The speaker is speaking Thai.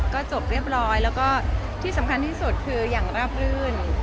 ก็จบเรียบร้อยแล้วก็ที่สำคัญที่สุดคืออย่างราบรื่น